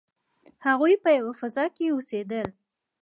هغوی په یوه فضا کې اوسیدل.